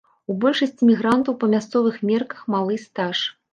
У большасці мігрантаў па мясцовых мерках малы стаж.